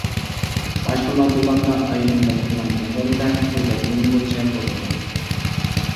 باشقا ماددىلاردا ئايرىم بەلگىلەنگەنلىرىدە، شۇ بەلگىلىمە بويىچە بولىدۇ.